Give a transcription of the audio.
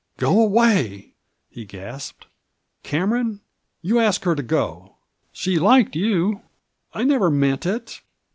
" Go away I " he gasped. " Cameron — you ask her to go. She — she liked you. ... I never meant it.